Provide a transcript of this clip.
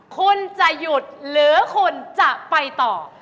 คุณจะหยุดหรือคุณจะไปต่อ